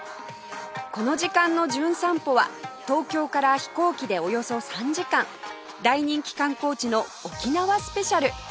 この時間の『じゅん散歩』は東京から飛行機でおよそ３時間大人気観光地の沖縄スペシャル